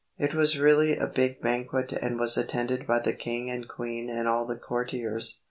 It was really a big banquet and was attended by the king and queen and all the courtiers.